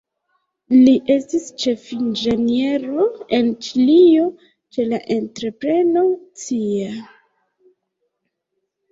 Li estis ĉefinĝeniero en Ĉilio ĉe la entrepreno Cia.